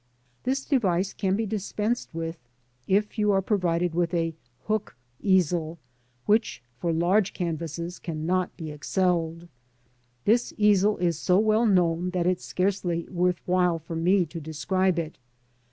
This device can be dispensed with if you are provided with a "Hook'' easel, which, for large canvases cannot be excelled. This easel is so well known that it is scarcely worth while for me to describe it.